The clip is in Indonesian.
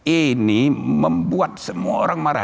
ini membuat semua orang marah